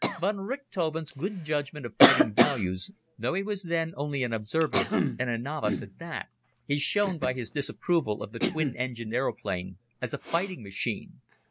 Von Richthofen's good judgment of fighting values, though he was then only an observer, and a novice at that, is shown by his disapproval of the twin engined aeroplane as a fighting machine.